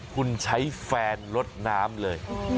คุณใช้แฟนลดน้ำเลย